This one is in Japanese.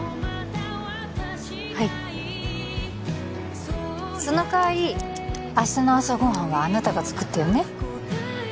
はいそのかわり明日の朝ご飯はあなたが作ってよね